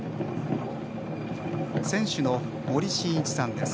船主の森真一さんです。